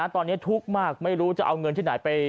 ตอนนี้ทุกข์มากไม่รู้จะเอาเงินที่ไหนไป